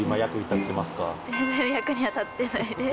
全然役には立ってないです。